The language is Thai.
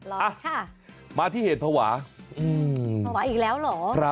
เอาล่ะมาที่เหตุภวาอืมภวาอีกแล้วเหรอ